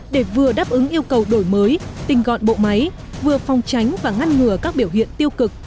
để vừa đáp ứng yêu cầu đổi mới tình gọn bộ máy vừa phòng tránh và ngăn ngừa các biểu hiện tiêu cực